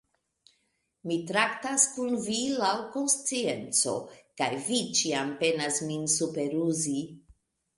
Mi traktas kun vi laŭ konscienco, kaj vi ĉiam penas min superruzi.